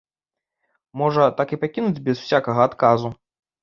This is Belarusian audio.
Можа, так і пакінуць без усякага адказу?